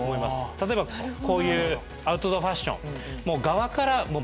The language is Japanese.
例えばこういうアウトドアファッション。